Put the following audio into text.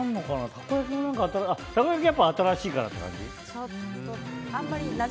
たこ焼きは新しいからって感じ？